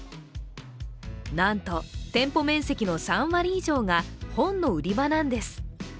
なんと、店舗面積の３割以上が本の売り場なんです。